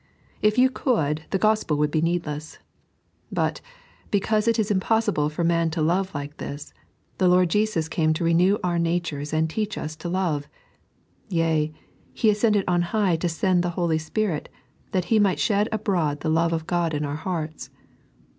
If you could, the Qoepel would be needless ; but because it is impossible for man to love like this, the Lord Jeeus came to renew our natures and teach us to love ; yea, He ascended on high to send the Holy Spirit, that He might sbed abroad the love of God in our hearts.